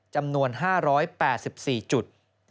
จำนวน๕๘๔จุด